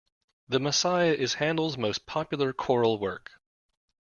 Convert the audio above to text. The Messiah is Handel's most popular choral work